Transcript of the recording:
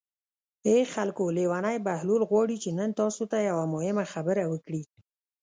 ای خلکو لېونی بهلول غواړي چې نن تاسو ته یوه مهمه خبره وکړي.